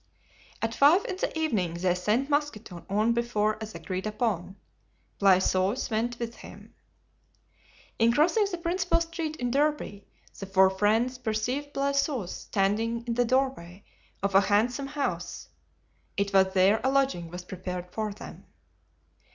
At five in the evening they sent Mousqueton on before as agreed upon. Blaisois went with him. In crossing the principal street in Derby the four friends perceived Blaisois standing in the doorway of a handsome house. It was there a lodging was prepared for them.